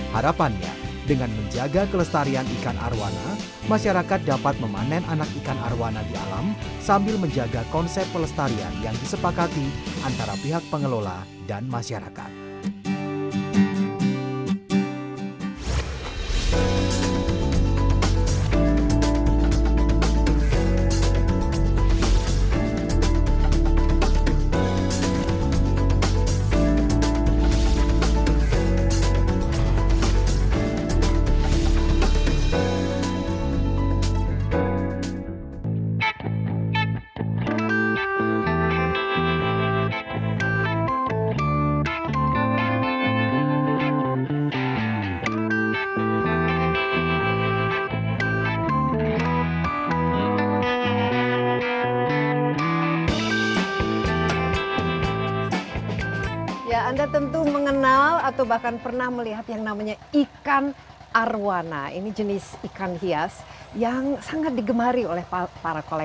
harapannya dengan menjaga kelestarian ikan arowana masyarakat dapat memanen anak ikan arowana di alam sambil menjaga konsep pelestarian yang disepakati antara pihak pengelola dan masyarakat